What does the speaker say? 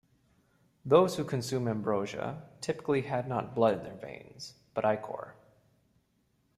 Those who consume ambrosia typically had not blood in their veins, but ichor.